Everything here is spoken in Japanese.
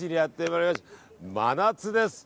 真夏です。